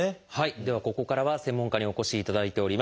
ではここからは専門家にお越しいただいております。